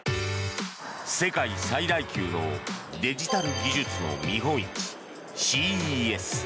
世界最大級のデジタル技術の見本市、ＣＥＳ。